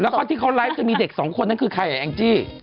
แล้วก็ที่เขาไลฟ์จะมีเด็กสองคนนั้นคือใครอ่ะแองจี้